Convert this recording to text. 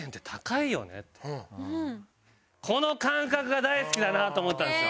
この感覚が大好きだなと思ったんですよ。